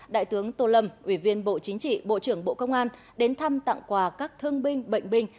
đại tướng tô lâm ủy viên bộ chính trị bộ trưởng bộ công an đến thăm tặng quà các thương binh bệnh binh